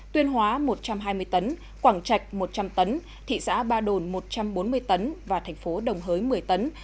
tuyên hóa một trăm hai mươi tấn quảng trạch một trăm linh tấn thị xã ba đồn một trăm bốn mươi tấn và thành phố đồng hới một mươi tấn